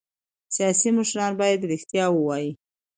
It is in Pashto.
سیاسي مشران باید رښتیا ووايي